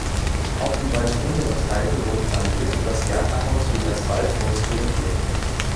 Auch die beiden unteren Teiche wurden saniert und das Gärtnerhaus sowie das "Waldhaus" renoviert.